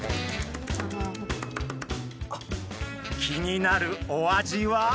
気になるお味は。